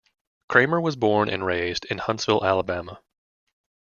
Cramer was born and raised in Huntsville, Alabama.